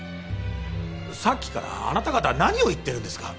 さっきからあなた方は何を言ってるんですか。